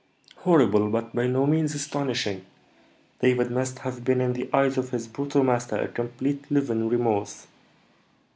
"Horrible, but by no means astonishing. David must have been in the eyes of his brutal master a complete living remorse."